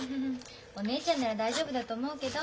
お姉ちゃんなら大丈夫だと思うけど。